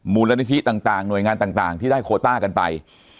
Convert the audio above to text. มูลนิธิต่างหน่วยงานต่างที่ได้โคต้ากันไป